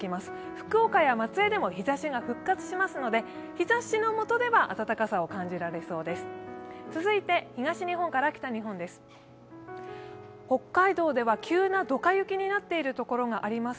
福岡や松江でも日ざしが復活しますので、日ざしのもとでは暖かさを感じられそうです。